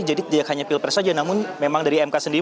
jadi tidak hanya pilpres saja namun memang dari mk sendiri